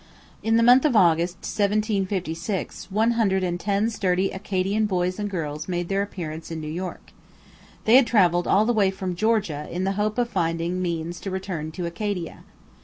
In the month of August 1756 one hundred and ten sturdy Acadian boys and girls made their appearance in New York. They had travelled all the way from Georgia in the hope of finding means to return to Acadia.